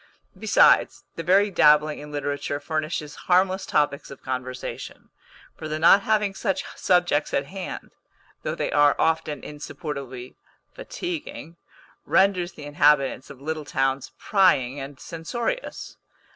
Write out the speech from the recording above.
Besides, the very dabbling in literature furnishes harmless topics of conversation; for the not having such subjects at hand, though they are often insupportably fatiguing, renders the inhabitants of little towns prying and censorious.